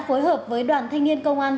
phối hợp với đoàn thanh niên công an